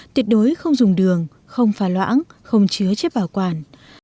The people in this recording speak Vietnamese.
tuyệt đối không dùng đường không phà loãng không chứa chếp bảo quản